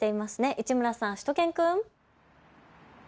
市村さん、しゅと犬くん。